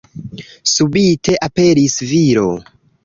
Subite aperis viro.